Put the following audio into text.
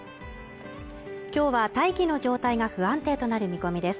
今日は大気の状態が不安定となる見込みです